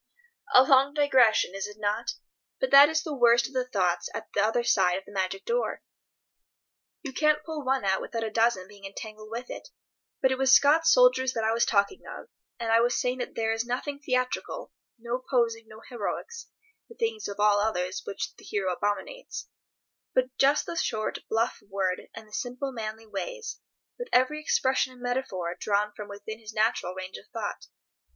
A long digression, is it not? But that is the worst of the thoughts at the other side of the Magic Door. You can't pull one out without a dozen being entangled with it. But it was Scott's soldiers that I was talking of, and I was saying that there is nothing theatrical, no posing, no heroics (the thing of all others which the hero abominates), but just the short bluff word and the simple manly ways, with every expression and metaphor drawn from within his natural range of thought.